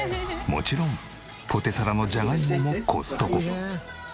もちろんポテサラのジャガイモもコストコ。